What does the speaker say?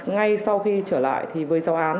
ngay sau khi trở lại thì với giáo án